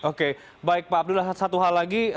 oke baik pak abdullah satu hal lagi